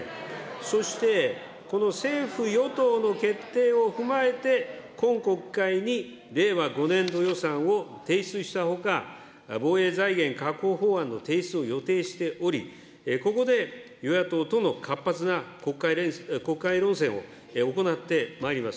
そして、この政府・与党の決定を踏まえて、今国会に令和５年度予算を提出したほか、防衛財源確保法案の提出を予定しており、ここで与野党との活発な国会論戦を行ってまいります。